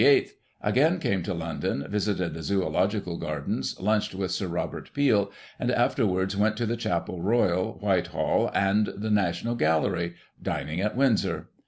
— ^Again came to London, visited the Zoological Gardens, lunched with Sir Robert Peel, and, afterwards, went to the Chapel Royal, Whitehall, and the National Gallery — dining at Windsor.